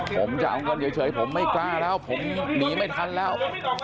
ผมจะเอาเงินเฉยผมไม่กล้าแล้วผมหนีไม่ทันแล้ว